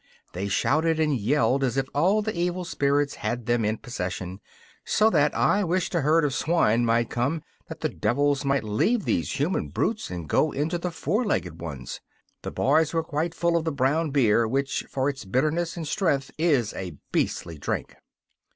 They shouted and yelled as if all the evil spirits had them in possession, so that I wished a herd of swine might come, that the devils might leave these human brutes and go into the four legged ones. The boys were quite full of the brown beer, which for its bitterness and strength is a beastly drink.